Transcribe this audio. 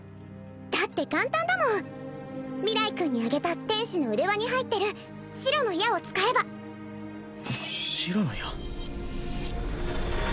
だって簡単だもん明日君にあげた天使の腕輪に入ってる白の矢を使えば白の矢？